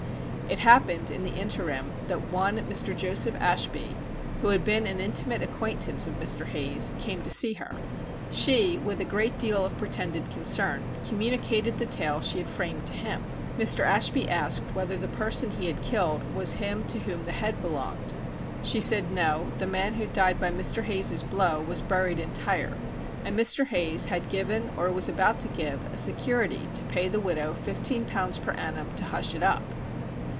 It happened, in the interim, that one Mr. Joseph Ashby, who had been an intimate acquaintance of Mr. Hayes, came to see her. She, with a great deal of pretended concern, communicated the tale she had framed to him. Mr. Ashby asked whether the person he had killed was him to whom the head belonged; she said, No, the man who died by Mr. Hayes's blow was buried entire, and Mr. Hayes had given or was about to give, a security to pay the widow fifteen pounds per annum to hush it up.